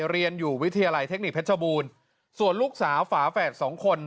เรียนอยู่วิทยาลัยเทคนิคเพชรบูรณ์ส่วนลูกสาวฝาแฝดสองคน